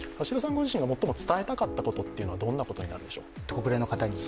ご自身が、最も伝えたかったことはどんなことでしょうか？